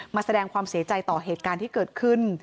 มาแสดงความเสียใจต่อเหตุการณ์ที่เกิดขึ้น